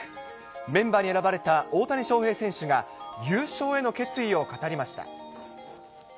メンバーに選ばれた大谷翔平選手が、優勝への決意を語りました。